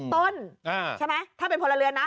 ต้นใช่ไหมถ้าเป็นพลเรือนนะ